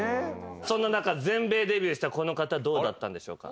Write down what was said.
そんな中全米デビューしたこの方どうだったんでしょうか。